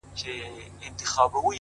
زه د شرابيانو قلندر تر ملا تړلى يم _